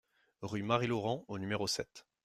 Rue Marie Laurent au numéro sept